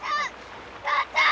母ちゃん！